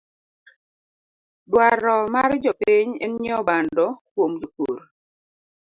Dwaro mar jopiny en nyieo bando kwuom jopurr